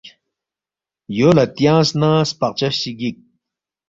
یو لہ تیانگس نہ سپقچس چی گِک